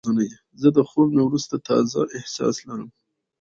زه د خوب نه وروسته تازه احساس لرم.